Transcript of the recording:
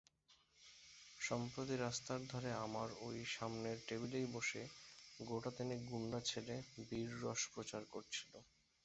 সম্প্রতি রাস্তার ধারে আমার ওই সামনের টেবিলেই বসে গোটাতিনেক গুণ্ডা ছেলে বীররস প্রচার করছিল।